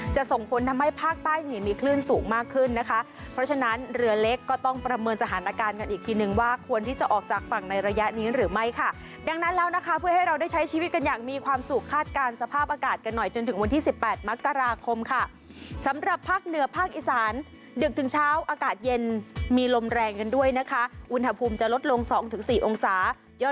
จะส่งพ้นทำให้ภาคป้ายมีคลื่นสูงมากขึ้นนะคะเพราะฉะนั้นเรือเล็กก็ต้องประเมินสถานการณ์กันอีกทีนึงว่าควรที่จะออกจากฝั่งในระยะนี้หรือไม่ค่ะดังนั้นแล้วนะคะเพื่อให้เราได้ใช้ชีวิตกันอย่างมีความสุขคาดการณ์สภาพอากาศกันหน่อยจนถึงวันที่สิบแปดมักกราคมค่ะสำหรับภาคเหนือภา